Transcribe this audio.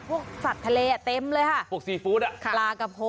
สัตว์อะไรที่สระเลเต็มเลยฮ่ะ